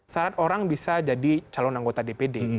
syarat orang bisa jadi calon anggota dpd